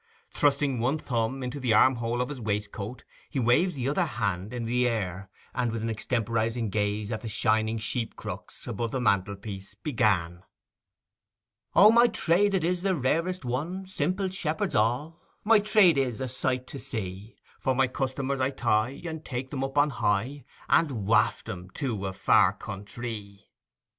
Thrusting one thumb into the arm hole of his waistcoat, he waved the other hand in the air, and, with an extemporizing gaze at the shining sheep crooks above the mantelpiece, began:— 'O my trade it is the rarest one, Simple shepherds all— My trade is a sight to see; For my customers I tie, and take them up on high, And waft 'em to a far countree!